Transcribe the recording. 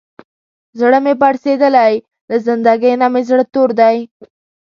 زړه مې پړسېدلی، له زندګۍ نه مې زړه تور دی.